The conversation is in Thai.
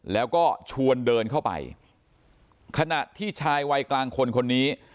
แล้วก็ชวนเดินเข้าไปขณะที่ชายวัยกลางคนคนนี้